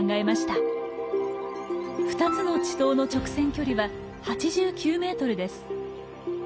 ２つの池溏の直線距離は８９メートルです。